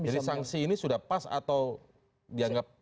jadi sanksi ini sudah pas atau dianggap